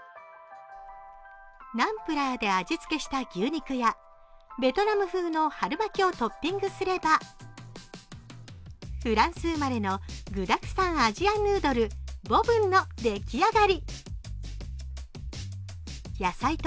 ナンプラーで味付けした牛肉やベトナム風の春巻きをトッピングすれば、フランス生まれの具だくさんアジアンヌードルボブンの出来上がり。